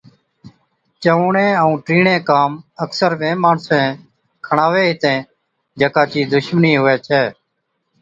چَڻُوڻَي ائُون ٽِيڻي ڪام اڪثر وي ماڻسين کڻاوي هِتين جڪا چِي دُشمنِي هُوَي ڇَي